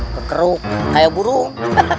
kekeruk kayak burung